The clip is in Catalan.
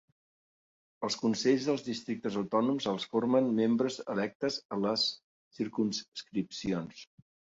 Els consells dels districtes autònoms els formen membres electes a les circumscripcions.